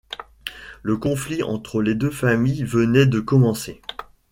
Le conflit entre les deux familles venait de commencer...